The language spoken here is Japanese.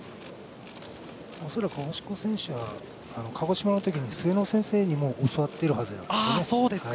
恐らく星子選手は鹿児島のときに末野先生にも教わっているんじゃないでしょうか。